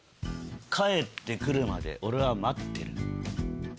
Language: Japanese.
帰って来るまで俺は待ってる。